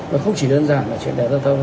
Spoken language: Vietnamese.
nó không chỉ đơn giản là chuyển đèn giao thông